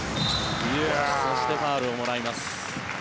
そしてファウルをもらいます。